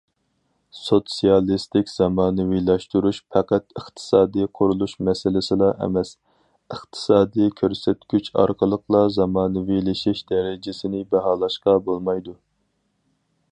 سوتسىيالىستىك زامانىۋىلاشتۇرۇش پەقەت ئىقتىسادىي قۇرۇلۇش مەسىلىسىلا ئەمەس، ئىقتىسادىي كۆرسەتكۈچ ئارقىلىقلا زامانىۋىلىشىش دەرىجىسىنى باھالاشقا بولمايدۇ.